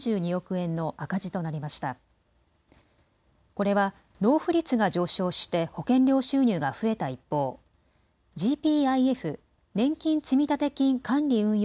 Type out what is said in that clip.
これは納付率が上昇して保険料収入が増えた一方、ＧＰＩＦ・年金積立金管理運用